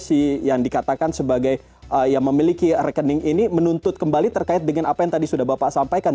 si yang dikatakan sebagai yang memiliki rekening ini menuntut kembali terkait dengan apa yang tadi sudah bapak sampaikan